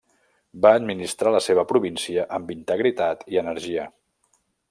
Va administrar la seva província amb integritat i energia.